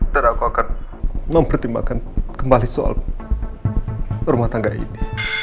dan aku akan mempertimbangkan kembali soal rumah tangga ini